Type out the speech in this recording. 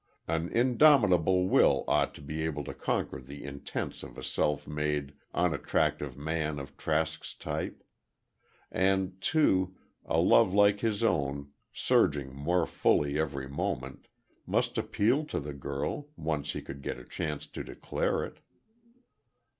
An indomitable will ought to be able to conquer the intents of a self made, unattractive man of Trask's type. And, too, a love like his own, surging more fully every moment must appeal to the girl, once he could get a chance to declare it.